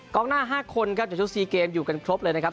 หน้า๕คนครับจากชุด๔เกมอยู่กันครบเลยนะครับ